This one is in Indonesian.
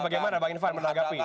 bagaimana bang irfan menanggapi